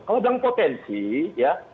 kalau bilang potensi ya